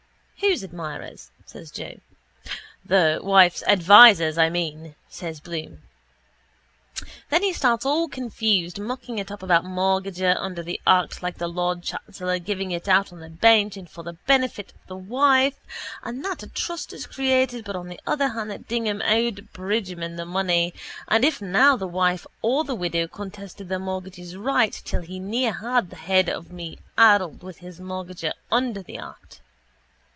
—Whose admirers? says Joe. —The wife's advisers, I mean, says Bloom. Then he starts all confused mucking it up about mortgagor under the act like the lord chancellor giving it out on the bench and for the benefit of the wife and that a trust is created but on the other hand that Dignam owed Bridgeman the money and if now the wife or the widow contested the mortgagee's right till he near had the head of me addled with his mortgagor under the act.